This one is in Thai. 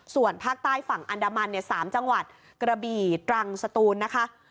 ส่วนภาคใต้ฝั่งอันดามันเนี่ย๓จังหวัดกระบี่ตรังสตูนนะคะ